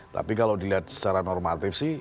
tapi kalau dilihat secara normatif sih